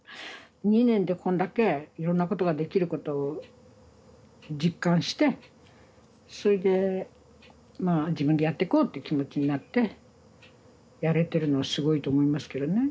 ２年でこんだけいろんなことができることを実感してそれでまあ自分でやっていこうっていう気持ちになってやれてるのはすごいと思いますけどね。